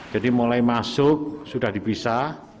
jadi mulai masuk sudah dibisa